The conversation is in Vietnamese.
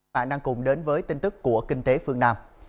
bạn đang cùng đến với tin tức của kinh tế phương nam